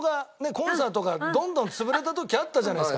コンサートがどんどん潰れた時あったじゃないですか。